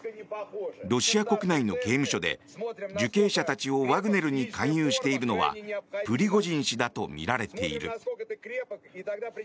ロシア国内の刑務所で受刑者たちをワグネルに勧誘しているのはプリゴジン氏だとみられている。